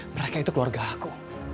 mereka itu keluarga aku